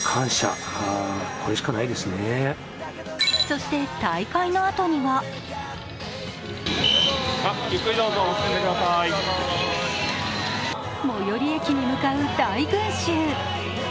そして大会のあとには最寄り駅に向かう大群衆。